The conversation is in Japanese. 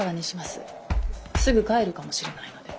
すぐ帰るかもしれないので。